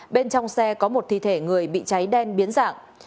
bên trong xe có một thi thể người bị cháy đen biến dạng